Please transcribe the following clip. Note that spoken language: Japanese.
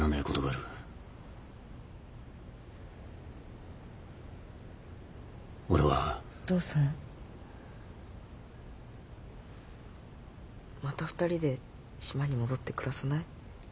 また二人で島に戻って暮らさない？